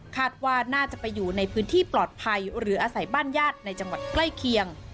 คาดว่าน่าจะไปอยู่ในพื้นที่ปลอดภัยหรืออาศัยบ้านญาติในจังหวัดใกล้เคียง